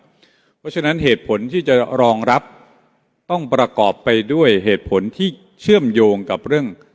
เพราะฉะนั้นเหตุผลที่จะรองรับต้องประกอบไปด้วยเหตุผลที่เชื่อมโยงกับเรื่อง